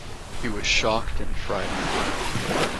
He was shocked and frightened.